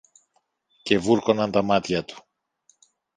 και βούρκωναν τα μάτια του.